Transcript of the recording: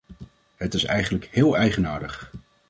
Het is eigenlijk heel eigenaardig.